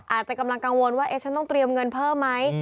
อาจจะกำลังกังวลว่าฉันต้องเตรียมเงินเพิ่มไหม